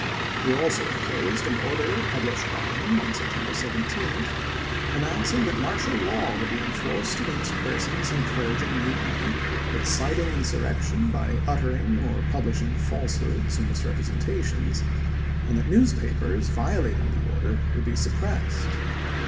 He also inclosed an order published by him on September 17, announcing that martial law would be enforced against persons en couraging mutiny, exciting insurrection by uttering or publishing falsehoods or misrepresentations, and that newspapers violating the order would be sup pressed.